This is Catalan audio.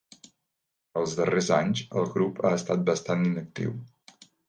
Els darrers anys el grup ha estat bastant inactiu.